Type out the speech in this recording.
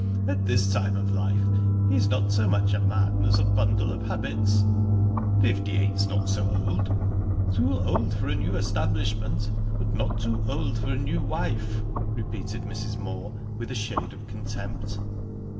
At his time of life he's not so much a man as a bundle of habits." "Fifty eight's not so old." "Too old for a new establishment, but not too old for a new wife," repeated Mrs. Moor with a shade of contempt.